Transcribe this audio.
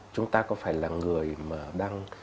chúng ta có phải là người mà đang